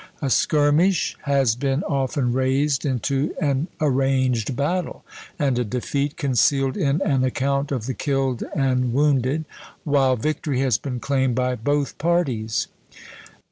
A skirmish has been often raised into an arranged battle, and a defeat concealed in an account of the killed and wounded, while victory has been claimed by both parties!